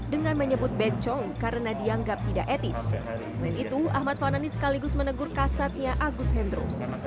dengan menyebut bencong karena dianggap tidak etis itu ahmad fanani sekaligus menegur kasatnya agus hendro